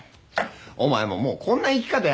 お前ももうこんな生き方やめて。